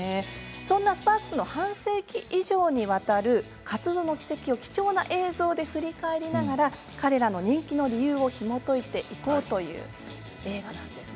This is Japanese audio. そんなスパークスの半世紀以上にもわたる活動の軌跡を貴重な映像で振り返りながら彼らの人気の理由をひもといていこうという映画なんです。